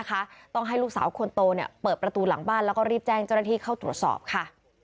ต้องให้ลูกสาวคนโตเปิดประตูหลังบ้านแล้วก็รีบแจ้งเจ้าหน้าที่เข้าตรวจสอบค่ะ